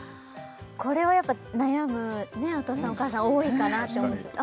これは悩むお父さんお母さん多いかなって思うんですよ